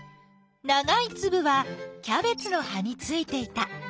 ながいつぶはキャベツの葉についていた。